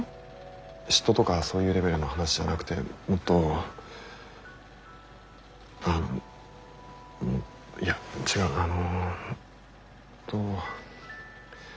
嫉妬とかそういうレベルの話じゃなくてもっとあのいや違うあの。